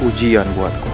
tidak bisa sangat sukar